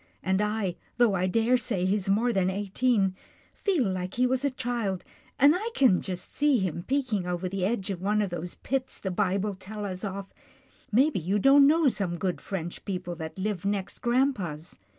And I, though I daresay he's more than eighteen, feel like he was a child, and I can just see him peeking over the edge of one of those pits the Bible tells us of — Maybe you don't know some good French people that live next grampa's.